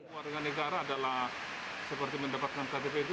warga negara adalah seperti mendapatkan ktp itu